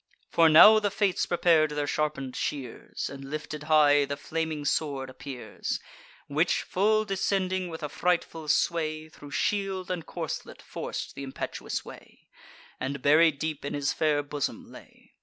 For now the Fates prepar'd their sharpen'd shears; And lifted high the flaming sword appears, Which, full descending with a frightful sway, Thro' shield and corslet forc'd th' impetuous way, And buried deep in his fair bosom lay.